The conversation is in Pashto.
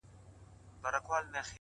چي شال يې لوند سي د شړۍ مهتاجه سينه;